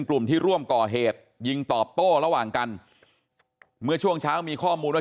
กลุ่มที่ร่วมก่อเหตุยิงตอบโต้ระหว่างกันเมื่อช่วงเช้ามีข้อมูลว่า